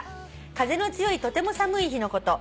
「風の強いとても寒い日のこと